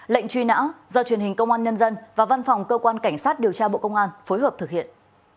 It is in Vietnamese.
lệnh truy nã do truyền hình công an nhân dân và văn phòng cơ quan cảnh sát điều tra bộ công an phối hợp thực hiện